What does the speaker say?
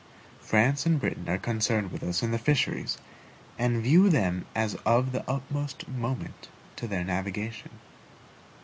France and Britain are concerned with us in the fisheries, and view them as of the utmost moment to their navigation.